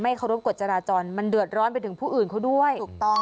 เคารพกฎจราจรมันเดือดร้อนไปถึงผู้อื่นเขาด้วยถูกต้อง